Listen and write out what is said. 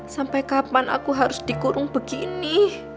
sampai kapan aku harus dikurung begini